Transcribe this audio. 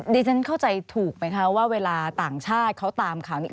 ฉันเข้าใจถูกไหมคะว่าเวลาต่างชาติเขาตามข่าวนี้